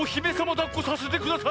だっこさせてください。